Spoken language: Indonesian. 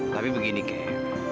tapi begini keh